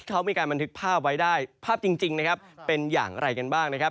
เขามีการบันทึกภาพไว้ได้ภาพจริงนะครับเป็นอย่างไรกันบ้างนะครับ